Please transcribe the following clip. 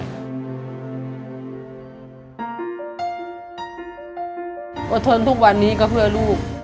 อดทนทุกวันนี้ก็เพื่อลูก